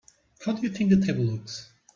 How do you think the table looks?